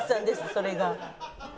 それが。